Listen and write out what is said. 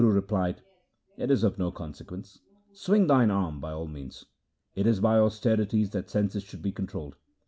The Guru replied, ' It is of no consequence ; swing thine arm by all means. It is by austerities the senses should be controlled.